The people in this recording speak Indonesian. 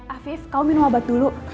alfif kamu minum wabat dulu